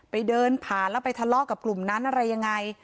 เดินผ่านแล้วไปทะเลาะกับกลุ่มนั้นอะไรยังไง